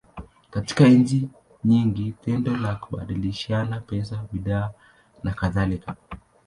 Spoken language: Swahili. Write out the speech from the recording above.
Katika nchi nyingi, tendo la kubadilishana pesa, bidhaa, nakadhalika.